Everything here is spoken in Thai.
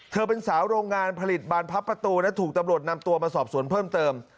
เป็นสาวโรงงานผลิตบานพับประตูและถูกตำรวจนำตัวมาสอบสวนเพิ่มเติม